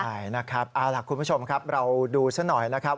ใช่นะครับเอาล่ะคุณผู้ชมครับเราดูซะหน่อยนะครับ